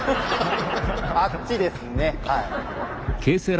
あっちですねはい。